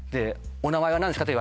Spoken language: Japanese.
お名前は何ですか？